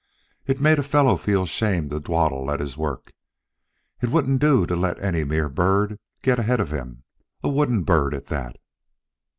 It made a fellow feel ashamed to dawdle at his work. It wouldn't do to let any mere bird get ahead of him a wooden bird at that!